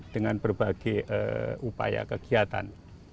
dengan berbagai upaya kegiatan